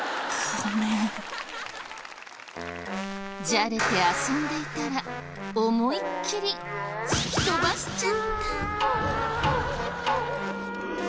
じゃれて遊んでいたら思いっきり突き飛ばしちゃった。